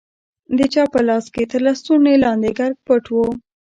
د چا په لاس کښې تر لستوڼي لاندې کرک پټ دى.